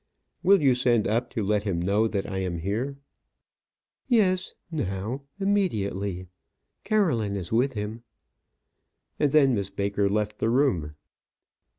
"Will you send up to let him know that I am here?" "Yes, now immediately. Caroline is with him;" and then Miss Baker left the room.